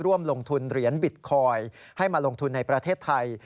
ร่วมลงทุนเหรียญบิตคอยน์ให้มาลงทุนในประเทศไทย